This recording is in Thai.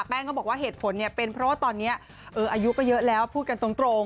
เขาบอกว่าเหตุผลเนี่ยเป็นเพราะว่าตอนนี้อายุก็เยอะแล้วพูดกันตรง